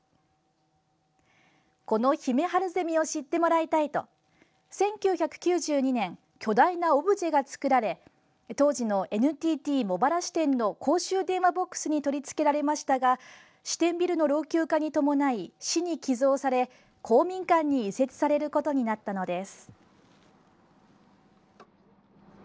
このヒメハルゼミを知ってもらいたいと１９９２年巨大なオブジェが作られ当時のＮＴＴ茂原支店の公衆電話ボックスに取り付けられましたが支店ビルの老朽化に伴い市に寄贈され公民館に移設されることになったのです。